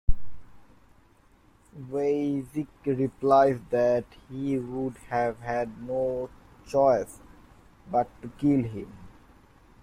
Weizak replies that he would have had no choice but to kill him.